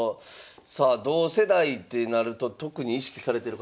さあ同世代ってなると特に意識されてる方